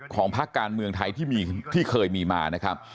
ภาคการเมืองไทยที่เคยมีมานะครับ